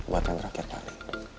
buatan terakhir kali